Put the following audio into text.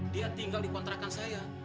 dia tinggal di kontrakan saya